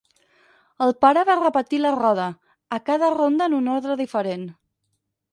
El pare va repetir la roda, a cada ronda en un ordre diferent.